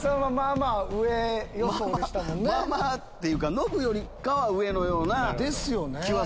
まぁまぁっていうかノブよりかは上のような。ですよね。